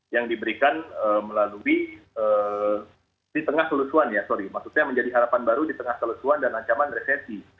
yang diberikan melalui di tengah kelusuan ya sorry maksudnya menjadi harapan baru di tengah selusuhan dan ancaman resesi